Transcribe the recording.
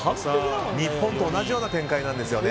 日本と同じような展開なんですよね。